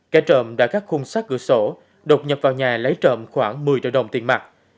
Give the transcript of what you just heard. kẻ trộm đã các khung sát cửa sổ đột nhập vào nhà lấy trộm khoảng một mươi triệu đồng tiền mặt